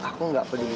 aku gak penasaran